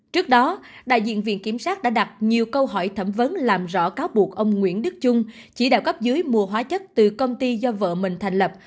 trước đó đại diện viện kiểm sát đã đặt nhiều câu hỏi thẩm vấn làm rõ cáo buộc ông nguyễn đức trung chỉ đạo cấp dưới mua hóa chất từ công ty do vợ mình thành lập